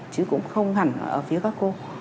chứ cũng không hẳn ở phía các cô